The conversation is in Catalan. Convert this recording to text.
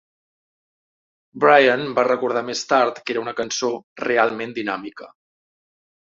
Brian va recordar més tard que era una cançó realment dinàmica.